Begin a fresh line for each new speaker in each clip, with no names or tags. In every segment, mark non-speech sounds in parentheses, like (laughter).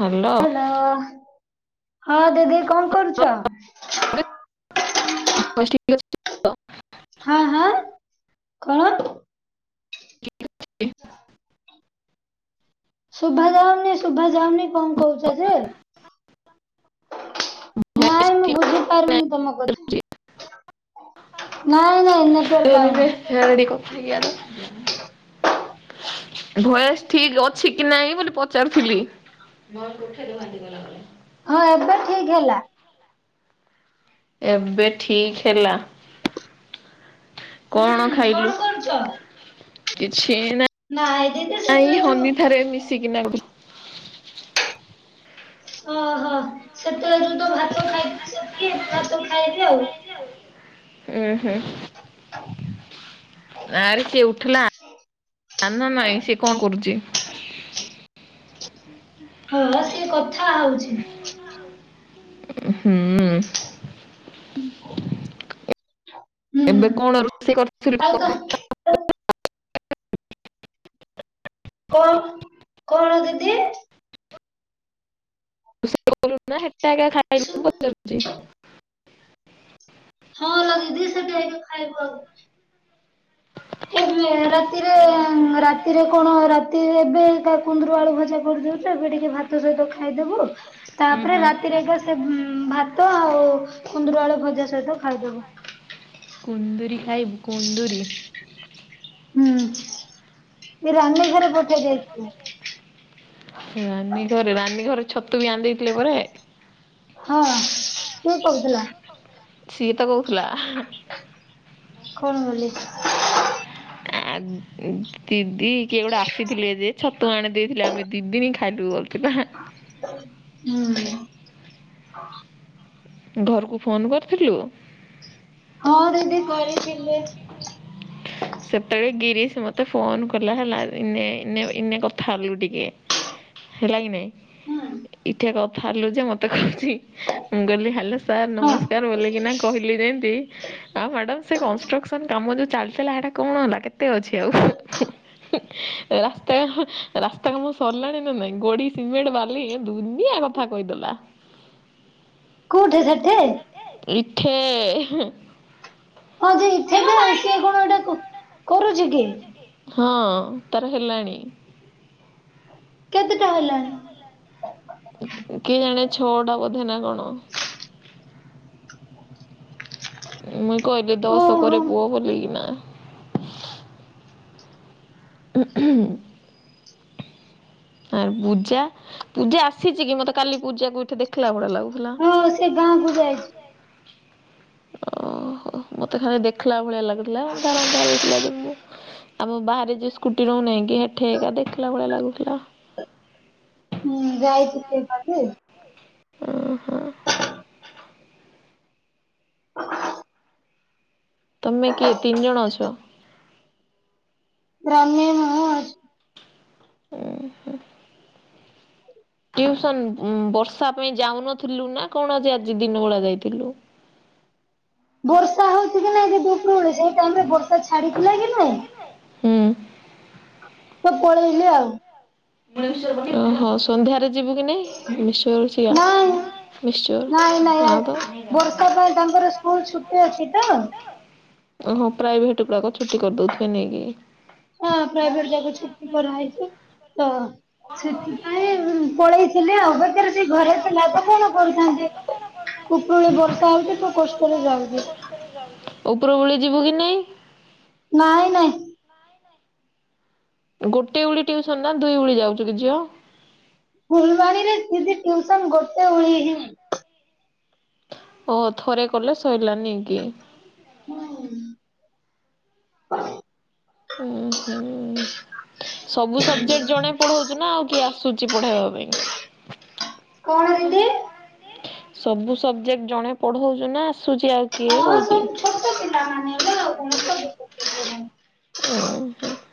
Hello.
Hello ହଁ ଦିଦି କଣ କରୁଛ?
(inaudible)
ହାଁ ହାଁ କଣ?
(inaudible)
ଶୁଭାଯାଉନି ଶୁଭାଯାଉନି କଣ କହୁଛ ଯେ?
ଭଏସ୍
ନାଇଁ ମୁଁ
ଠିକ୍
ବୁଝି ପାରୁନି ତମ କଥା? ନାଇଁ ନାଇଁ ନେଟୱାର୍କ ପାଉନି।
ହଡି କଥାକିଆ ତ (inaudible) ଭଏସ ଠିକ ଅଛି କି ନାଇଁ ବୋଲି ପଚାରୁଥିଲି? (inaudible)
ହଁ ଏବେ ଠିକ ହେଲା।
ଏବେ ଠିକ ହେଲା କଣ
ହୁଁ
ଖାଇଲୁ?
କରୁଛ?
କିଛି ନା
ନାଇଁ ଦିଦି
ନାଇଁ
ସେତେବେଳେ ଯୋଉ
ହନି ଥାରେ ମିଶିକିନା।
ଓହୋ ସେତେବେଳେ ଯୋଉ ତ ଭାତ ଖାଇଥିଲି ସେତିକି ଏବେ ଭାତ ଖାଇବି ଆଉ
ହୁଁ ହୁଁ। ଆରେ ସିଏ ଉଠିଲା ସାନ ନାଇଁ ସିଏ କଣ କରୁଛି?
ହଁ ସିଏ କଥା ହଉଛି?
ହୁଁ।
ହୁଁ
ଏବେ କଣ ରୋଷେଇ
ଆଉ ତ
କରଥିଲୁ?
କଣ କଣ ଦିଦି? ଶୁ-
(inaudible)
ହଁ ଲୋ ଦିଦି ସେଥି ଅଇକା ଖାଇବୁ ଆଉ ଏବେ ରାତିରେ ରାତିରେ କଣ ରାତିରେ ଏବେ କା କୁନ୍ଦୁରୁ ଆଳୁ ଭଜା କରଦଉନୁ। ଏବେ ଟିକେ ଭାତ ସହିତ ଖାଇଦବୁ।
ଉଁ
ତାପରେ
ହୁଁ
ରାତିରେ ଏକା ସେ ଭାତ ଆଉ କୁନ୍ଦୁରୁ ଆଳୁଭଜା ସହିତ ଖାଇଦବୁ।
କୁନ୍ଦୁରି ଖାଇବୁ କୁନ୍ଦୁରି?
ହୁଁ ରାନୀ ଘର ପଠେଇ ଦେଇଥିଲେ।
ରାନୀ ଘରେ ରାନୀ ଘରେ ଛତୁ ବି ଆନି ଦେଇଥିଲେ ପରେ।
ହଁ କିଏ କହୁଥିଲା?
ସିଏ ତ କହୁଥିଲା।
କଣ ବୋଲି?
ଆ ଦିଦି କିଏ ଗୋଟେ ଆସିଥିଲେ ଯେ ଛତୁ ଆଣି ଦେଇଥିଲେ ଆମେ ଦିଦିନ ଖାଇଲୁ ଅଇକିନା।
ହୁଁ।
ଘରକୁ ଫୋନ୍ କରିଥିଲୁ?
ହଁ ଦିଦି କରିଥିଲେ।
ସେତେବେଳେ ଗିରିଶ ମୋତେ ଫୋନ୍ କଲା ହେଲା। ଇନେ ଇନେ ଇନେ କଥା ହେଲୁ ଟିକେ। ହେଲାକି ନାଇଁ?
ହୁଁ
ଇଟା କଥା ହେଲୁ ଯେ ମତେ କହୁଛି। ମୁଁ କହିଲି ହ୍ୟାଲୋ ସାର୍
ହଁ
ନମସ୍କାର ବୋଲିକିନା କ କହିଲି ଯେମତି ଆଁ ମ୍ୟାଡ଼ାମ ସେ କନଷ୍ଟ୍ରକସନ କାମ ଯୋଉ ଚାଲିଥିଲା ହେଟା କଣ ହେଲା କେତେ ଅଛି ଆଉ। ହୁଁ ହୁଁ ରାସ୍ତା ରାସ୍ତା କାମ ସରିଲାଣି ନା ନାଇଁ ଗୋଡ଼ି ସିମେଣ୍ଟ ବାଲି ଏ ଦୁନିଆ କଥା ଥା କହିଦେଲା।
କୋଉଠି ସେଠି?
ଈଠେ ହେଁ।
ହଁ ଯେ ଈଠେ ଯେ ସିଏ କଣ ଏଟା କ କରୁଛି କି?
ହଁ ତାର ହେଲାଣି।
କେତେଟା ହେଲାଣି?
କିଏ ଜାଣେ ଛଅ ଟା ବୋଧେ ନା କଣ?
(inaudible)
ମୁଇ କହିଲି
ଓହୋ
ଦଶକରେ ପୁଅ ବୋଲିକିନା। ଉଁହୁଁ। ଆ ପୂଜା ପୂଜା ଆସିଛି କି ମତେ କାଲି ପୂଜା କୁ ଏଠି ଦେଖିଲା ଭଳିଆ ଲାଗୁ
ହଁ ସେ ଗାଁ କୁ ଯାଇଛି।
ଓହୋ ମତେ ଖାଲି ଦେଖିଲା ଭଳିଆ ଲାଗୁଥିଲା ଅନ୍ଧାର ଅନ୍ଧାର ହେଇଥିଲା ଯେ ମୁଁ ଆମ ବାହାରେ ଯେ ସ୍କୁଟି ରହୁନେଇକିି ହେଠେ ଏକା ଦେଖିଲା ଭଳିଆ ଲାଗୁଥିଲା।
ହୁଁ ଯାଇଛିି ସେ କାଲି।
ଓହୋ।
(inaudible)
ତୁମେ କିଏ ତିନି ଜଣ ଅଛ?
(inaudible) ମୁଁ
ଉହୁଁ। ଟିଉସନ ଉଁ ବର୍ଷା ପାଇଁ ଯାଉନଥିଲୁ ନା କଣ ଆଜି ଆଜି ଦିନ ବେଳା ଯାଇଥିଲୁ?
ବର୍ଷା ହଉଛି କି ନାଇ ଦିଦି ଉପରବେଳି ସେଇ ଟାଇମ ରେ ବର୍ଷା ଛାଡିଥିଲା କି ନାଇଁ?
ହୁଁ।
ସବୁ ପଳେଇଲେ ଆଉ।
(inaudible) ଓହୋ ସନ୍ଧ୍ୟାରେ ଯିବୁ କି ନାଇଁ ମିକ୍ସଚର ଅଛି।
ନାଇଁ
ୟା
ନାଇଁ ନାଇଁ
ମିକ୍ସଚର
ଆଉ
ନା ତ।
ବର୍ଷା ପାଇଁ ତାଙ୍କର ସ୍କୁଲ ଛୁଟି ଅଛି ତ।
ଓହୋ ପ୍ରାଇଭେଟ ଗୁଡାକ ଛୁଟି କରିଦଉଥିବେ ନେଇ କି।
ହଁ ପ୍ରାଇଭେଟ ଯାକ ଛୁଟ୍ ଟି କରାହେଇଛି ତ ସେଥିପାଇଁ ପଳେଇଥିଲେ ଆଉ ବଟ୍ ତାର ସେ ଘରେ ଥିଲା ତ କଣ କରିଥାନ୍ତେ ଉପରଳି ବର୍ଷା ହଉଛି ତ କଷ୍ଟରେ ଯାଉଛି।
ଉପରଓଳି ଯିବୁ କି ନାଇଁ?
ନାଇଁ ନାଇଁ।
ଗୋଟିଏ ଉଳି ଟିଉସନ୍‌ ନା ଦୁଇ ଉଳି ଯାଉଚୁ କି ଝିଅ।
ଫୁଲବାଣୀରେ ଦିଦି ଟିଉସନ୍‌ ଗୋଟେ ଉଳି ହି
ଓ ଥରେ କଲେ ସଇଲା ନି କି?
ହୁଁ।
ଉଁ ହୁଁ। ସବୁ ସବଜେକ୍ଟ ଜଣେ ପଢଉଛୁ ନା ଆଉ କିଏ ଆସୁଛି ପଢେଇବା ପାଇଁ?
କଣ ଦିଦି?
ସବୁ ସବଜେକ୍ଟ ଜଣେ ପଢଉଚୁ ନା ଆସୁଚି ଆଉ କିଏ କହୁଚି।
ଟ ପିଲାମାନେ ଲୋ ତମର ତ (unintelligible)
(unintelligible)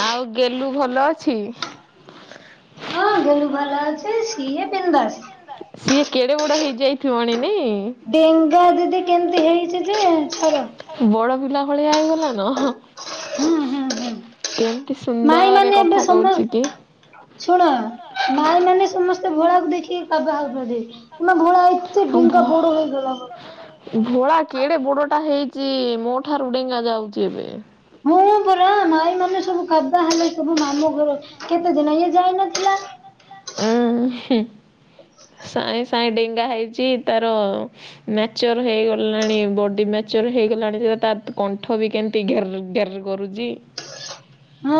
ଆଉ ଗେଲୁ ଭଲ ଅଛି?
ହଁ ଗେଲୁ ଭଲ ଅଛି ସିଏ ବିନ୍ଦାସ୍‌।
ସିଏ କେଡେ ବଡ ହେଇଯାଇଥିବଣି ନାଇଁ?
ଡେଙ୍ଗା ଦିଦି କେମତି ହେଇଚି ଯେ ଛାଡ।
ବଡ ପିଲା ଭଳିଆ ହେଇଗଲା ନ ହ।
ହୁଁ ହୁଁ ହୁଁ।
କେମତି
ମାଇ
ସୁନ୍ଦରରେ
ମାନେ ଏବେ
କଥା
ସମ
କହୁଛି ଟି ଟି।
ଶୁଣ ମାଇ ମାନେ ସମସ୍ତେ ଭୋଳାକୁ ଦେଖିକି କବା ହଉଚତି ତୁମେ ଭୋଳାକୁ ସେ ଡିଙ୍କା ବଡ ହେଇଗଲା ଲୋ।
ଘୋଳା କେଡେ ବୋଡୋଟା ହେଇଚି ମୋ ଠାରୁ ଡେଙ୍ଗା ଯାଉଚି ଏବେ।
ହେଁ ପରା ମାଇ ମାନେ ସବୁ କାବା ହେଲେ ସବୁ ମାମୁ ଘର କେତେ ଦିନ ଇଏ ଯାଉନଥିଲା।
ଉଁ ହୁ ସାଇଁ ସାଇଁ ଡେଙ୍ଗା ହେଉଛି ତାର ମ୍ୟାଚୋର ହେଇଗଲାଣି ବଡି ମ୍ୟାଚୋର ହେଇଗଲାଣି ସେ ତା କଣ୍ଠ ବି କେମ ଟି ଘେର୍‌ ଘେର୍ କରୁଚି।
ହଁ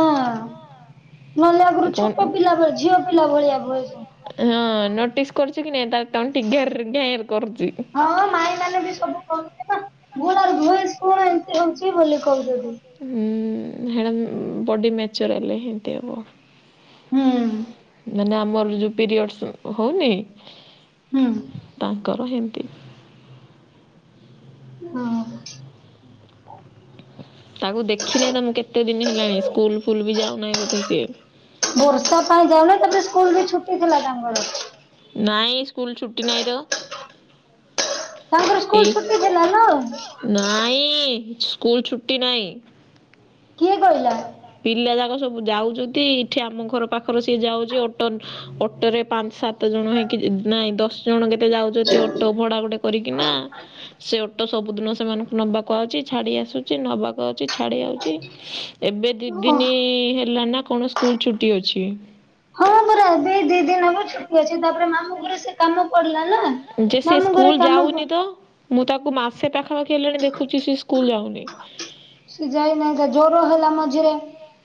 ନହେଲେ ଆଗରୁ ଛୋଟ
କଣ
ପିଲା ଭଳି ଝିଅ ପିଲା ଭଳିଆ ଭଏସ୍‌ ଅଁ
ହଁ ନୋଟିସ୍ କରୁଚୁ କି ନାଇଁ ତା ତଣ୍ଟି ଘେର୍ ଘେର୍ କରୁଚି।
ହଁ ମାଇଁ ମାନେ ବି ସବୁ କହୁଛେ ନା ଘୋଳାର ଭଏସ କଣ ଏମତି ହଉଚି ବୋଲେ କହୁଚତି।
ହୁଁ ହେଡା ବଡି ମ୍ୟାଚୋର ହେଲେ ହେମତି ହବ।
ହୁଁ।
ମାନେ ଆମର ଯୋଉ ପିରିଅଡ଼ସ୍‌ ହଉନି
ହୁଁ।
ତାଙ୍କର ହେମତି।
ହଁ।
ତାକୁ ଦେଖି ନାଇଁ ନା ମୁଁ କେତେ ଦିନ ହେଲାଣି ସ୍କୁଲ ଫୁଲ୍ ବି ଯାଉନାହିଁ ବୋଧେ ସିଏ।
ବର୍ଷା ପାଇଁ ଯାଉ ନାଇ ତାପରେ ସ୍କୁଲ ବି ଛୁଟି ଥିଲା ତାଙ୍କର।
ନାଇଁ ସ୍କୁଲ ଛୁଟି ନାଇଁ ଟ।
ହଁ ପରା ସ୍କୁଲ ଛୁଟି ଥିଲା ଲୋ।
ନାଇଁ ସ୍କୁଲ ଛୁଟି ନାଇଁ।
କିଏ କହିଲା?
ପିଲା ଯାକ ସବୁ ଯାଉଚତି ଇଠି ଆମ ଘର ପାଖରେ ସେ ଯାଉଚି ଅଟନ୍ ଅଟୋରେ ପାଞ୍ଚ ସାତ ଜଣ ହେଇକି ନାଇଁ ଦଶ ଜଣ କେତେ ଯାଉଚତି ଅଟୋ ଭଡା ଗୋଟେ କରିକି ନା ସେ ଓଟୋ ସବୁଦିନ ସେମାନଙ୍କୁ ନବାକୁ ଆଉଚି ଛାଡି ଆସୁଚି ନବାକୁ ଆଉଚି ଛାଡି ଆଉଚି। ଏବେ ଦି
ଓ
ଦିନ ହେଲା ନା କଣ ସ୍କୁଲ ଛୁଟି ଅଛି।
ହଁ ପରା ଏବେ ଦି ଦିନ ହବ ଛୁଟି ଅଛି ତାପରେ ମାମୁଁ ଘରେ ସେ କାମ କରିଲା ନା।
ଯେ ସେ
ମାମୁଁ ଘରେ
ସ୍କୁଲ
କାମ ପ
ଯାଉନି ତ? ମୁଁ ତାକୁ ମାସେ ପାଖାପାଖି ହେଲେଣି ଦେଖୁଛି ସେ ସ୍କୁଲ ଯାଉନି।
ସି ଯାଇନାହିଁ ଜର ହେଲା ମଝିରେ।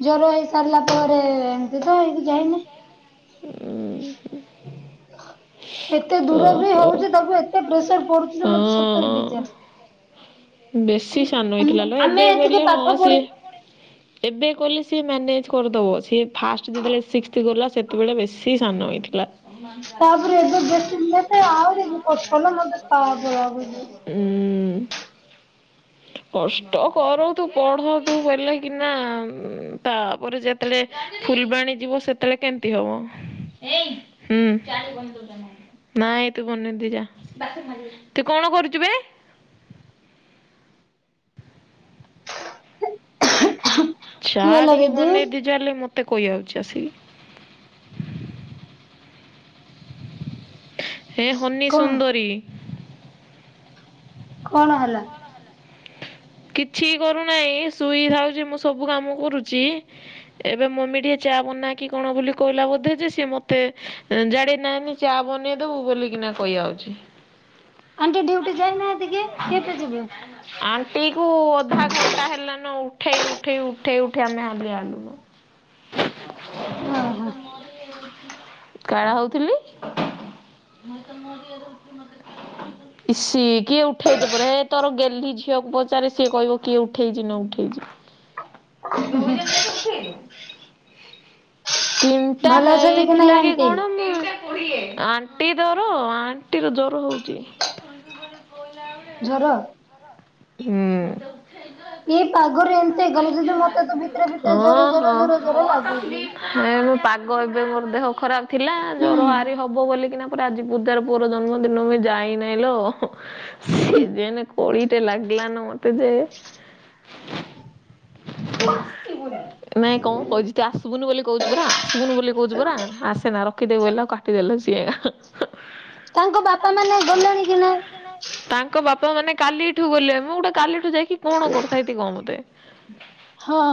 ଜ୍ଵର ହେଇସାରିଲା ପରେ ଏମତି ତ ହେଇକି ଯାଇନି। ଏତେ ଦୂର ବି
ଓହୋ।
ହଉଛି ତାକୁ ଏତେ ପ୍ରେସର ପଡୁଛି ଯେ ମତେ ସତରେ
ହଁ
ବିଜାର
ବେଶୀ ସାନ ହେଇଥିଲା
ଆମକୁ
ଲ
ଆମେ
ଏବେ
ଏତିକି
ବୋଇ ହଁ
ପାଠ ପଢି
ସିଏ ଏବେ କଲେ ସିଏ ମ୍ୟାନେଜ୍ କରିଦେବ ସିଏ ଫାଷ୍ଟ ଯେତେବେଳେ ସିକ୍ସ ଗଲା ସେତେବେଳେ ବେଶୀ ସାନ ହୋଇଥିଲା। (unintelligible)
ତାପରେ ଏବେ ବେସି ଲେଟ୍ ଆହୁରି ସୋନମ ମତେ ତାସ ଲାଗୁଚି।
ହଁ ଉ। କଷ୍ଟ କରନ୍ତୁ ପଢନ୍ତୁ ବଲେ କି ନା ତାପରେ ଯେ ସେତେଳେ ଫୁଲବାଣୀ ଯିବ ସେତେବେଳେ କେମତି ହବ। ନାଇଁ ତୁ ବନେଇ ଦେଇ ଯା ତୁ କଣ କରୁଛୁ ବେ।
କି
ଚା
ହେଲା
ଟିକେ
ଦିଦି
ବନେଇ ଦେ ଯା ହେଲେ ମତେ କହି ଆଉଛି ଆସିକି। ହେଁ ହନି
କଣ
ସୁନ୍ଦରୀ।
କଣ ହେଲା?
କିଛି କରୁନାହିଁ ଶୋଇଥାଉଛି ମୁଁ ସବୁ କାମ କରୁଛି। ଏବେ ମମି ଟିକେ ଚା ବନା କି କଣ ବୋଲି କହିଲା ବୋଧେ ଯେ ସିଏ ମତେ ଜାଡେ ନାନେ। ଚା ବନେଇଦବୁ ବୋଲିକିନା କହି ଆଉଛି।
ଆଣ୍ଟି ଡିଉଟି ଯାଇନାନାହାନ୍ତି କି, କିଏତେ ଯିବେ।
ଟିକୁୁ ଅଧା ଘଣ୍ଟା ହେଲାନ ଉଠେଇ ଉଠେଇ ଉଠେଇ ଉଠେଇ ଆମେ ହାଲିଆ ହେଲୁନୁ।
ଓ ହୋ।
କାଡ଼ା ହଉଥିଲି। ଇସିି କିଏ ଉଠେଇଦବ ରେ ତୋର ଗେଲି ଝିଅକୁ ପୁଅ ପଚାରେ ସିଏ କହିବ କିଏ ଉଠେଇଛି ନ ଉଠେଇଛି। ଦୁଇ ଜଣ ଯାକ ଉଠେଇଲୁ। ତିନିଟା
ଭଲ ଅଛନ୍ତି ନାଇଁ
ହେଇଥିଲା କି
ଆଣ୍ଟି
କଣ ମୁ ଆଣ୍ଟି ଦର ଆଣ୍ଟିର ଜ୍ୱର ହଉଚି।
ଜର।
ହୁଁ।
ଏଇ ପାଗରେ ଏମିତି ହେଇଗଲା ଯି ମତେ ତ ଭିତରେ ଭିତରେ ଜୋର ଜର ଜୋର ଜୋର ଲାଗୁଛି।
ନାଇ ପାଗ ଏବେ ମୋର ଦେହ ଖରାପ ଥିଲା ଜର
ହୁଁ
ଆରିି ହବ ବୋଲି କିନା ପରେ ଆଜି ପୂଜାର ପୁଅ ର ଜନ୍ମଦିନ ବି ଯାଇ ନଇଲୋ ସେ ଯେ ନେ କଳି ଲାଗଲ ନା ମତେ ଯେ ନାଇଁ କଣ କହିଛି ତୁ ଆସିବୁ ନୁ ବୋଲି କହୁଛୁ ପୁରା ଆସିବୁନୁ ବୋଲି କହୁଛୁ ପରା ଆସ ସିନା ରଖିଦେଇବ ବଇଲେ ଆଉ କାଟିଦେଲା ସିଏ।
ତାଙ୍କ ବାପା ମାନେ ଗଲେଣି କି ନାଇଁ।
ତାଙ୍କ ବାପା ମାନେ କାଲିଠୁ ଗଲେ ମୁଁ ଗୋଟେ କାଲିଠ ଯାଇକି କଣ କରୁଥାଏ ଟୀ ମତେ?
ହଁ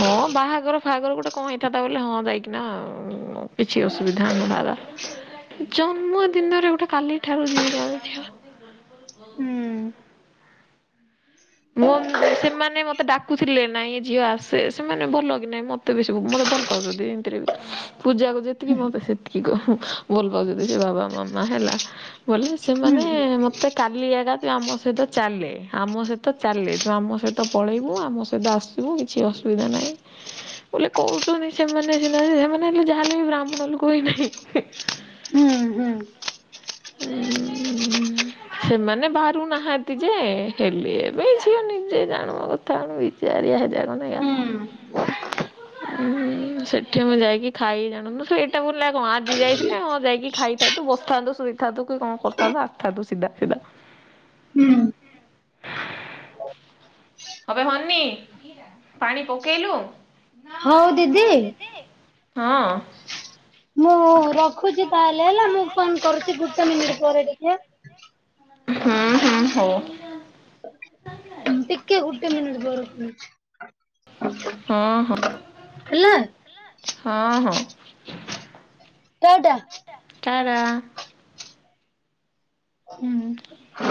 ହଁ ବାହାଘର ଫାହାଘର ଗୋଟେ କଣ ହେଇଥାନ୍ତା ବୋଲେ ହଁ ଯାଇକିନା କିଛି ଅସୁବିଧା ହେଇ ନଥାନ୍ତା ଜନ୍ମଦିନରେ ଗୋଟେ କାଲିଠାରୁ ଯିବି।
ହୁଁ।
ମୁଁ ଓମ ସେମାନେ ମତେ ଡା କୁଥିଲେ ନାଇଁ ଝିଅ ଆସେ ସେମାନେ ଭଲ କି ନାହିଁ ମତେ ବେଶୀ ମତେ ଭଲ ପାଉଛନ୍ତି ଏମିତିରେ ବି। ପୂଜାକୁ ଯେତିକି ମତେ ସେତିକି ଭଲ ପାଉଛନ୍ତି ସେ ବାବା ମାମା ହେଲା। ବୋଲେ ସେମାନେ
ହୁଁ
ମତେ କାଲି ଏକା ଆମ ସହିତ ଚାଲେ ଆମ ସହିତ ତ ଚାଲେ ତୁ ଆମ ସହିତ ପଳେଇବୁ ଆମ ସହିତ ଆସିବୁ କିଛି ଅସୁବିଧା ନାହିଁ। ବୋଲେ କହୁଛନ୍ତି ସେମାନେ ସିନା ହେ ସେମାନେ ହେଲେ ଯାହା ହେଲେ ବି ବ୍ରାହ୍ମଣ ଲୋକ କି ନାହିଁ।
ହୁଁ ହୁଁ
ଉ ସେମାନେ ବାରୁନାହାନ୍ତି ଯେ ହେଲେ ଏବେ ଝିଅ ନିଜେ ଜାଣୁ ତାଣୁ ବିଜାରିଆ ହେଜାଗନେଗା।
ହୁଁ ହୁଁ
ଉୁଁ ସେଠି ମୁଁ ଯାଇକି ଖାଇ ଜାଣନୁ ସେ ଏଇଟା ବୁଲେ କଣ ଆଜି ଯାଇଥିଲେ ହଁ ଯାଇକି ଖାଇ ସେଇଠୁ ବସିଥାନ୍ତୁ ସୁଇଥାନ୍ତୁ କି କଣ କରିଥାନ୍ତୁ ଆସିଥାନ୍ତୁ ସିଧା ସିଧା।
ହୁଁ।
ଆବେ ହନି ପାଣି ପକେଇଲୁ।
ହଉ ଦିଦି?
ହଁ।
ମୁଁ ରଖୁଛି ତାହଲେ ହେଲା ମୁଁ ଫୋନ କରୁଛି ଗୁଟେ ମିନିଟ ପରେ ଟିକେ।
ହୁଁ ହୁଁ ହଉ।
ଟିକେ ଗୋଟେ ମିନିଟ ପରେ (unintelligible)
ହଁ ହଁ
ହେଲା
ହଁ ହଁ।
ଟା ଟା।
ଟା ଟା।
ହୁଁ।